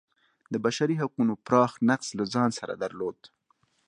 د بشري حقونو پراخ نقض له ځان سره درلود.